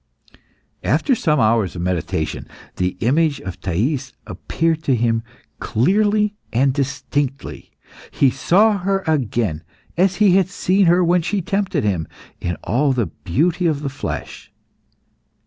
After some hours of meditation the image of Thais appeared to him clearly and distinctly. He saw her again, as he had seen her when she tempted him, in all the beauty of the flesh.